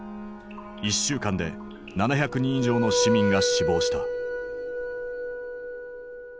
１週間で７００人以上の市民が死亡した。